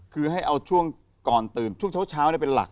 คือให้เอาช่วงก่อนตื่นช่วงเช้าเป็นหลัก